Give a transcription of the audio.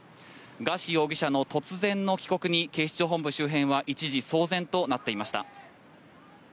ガーシー容疑者の突然の帰国に警視庁本部周辺は一時、騒然となっていました。